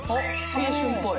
青春っぽい。